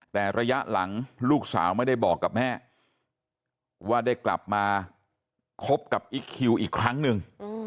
แต่ระยะหลังลูกสาวไม่ได้บอกกับแม่ว่าได้กลับมาคบกับอิ๊กคิวอีกครั้งหนึ่ง